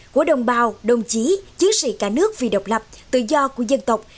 của đồng bào đồng chí chiến sĩ cả nước vì độc lập tự do của dân tộc